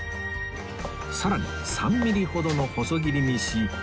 さらに３ミリほどの細切りにし